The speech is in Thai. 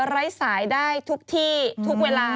ไร้สายได้ทุกที่ทุกเวลา